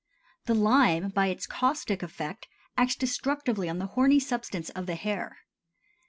The lime by its caustic effect acts destructively on the horny substance of the hair.